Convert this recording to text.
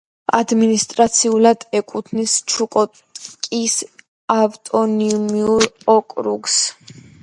ადმინისტრაციულად ეკუთვნის ჩუკოტკის ავტონომიურ ოკრუგს.